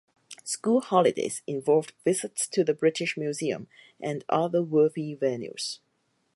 School holidays involved visits to the British Museum and other worthy venues.